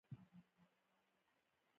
د ګمرکونو عواید په شفافه توګه راټولیږي.